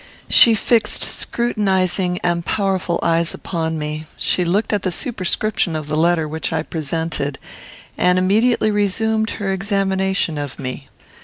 She fixed scrutinizing and powerful eyes upon me. She looked at the superscription of the letter which I presented, and immediately resumed her examination of me.